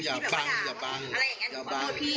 ต่อจากนี้นะฟังอย่าฟังอย่าฟัง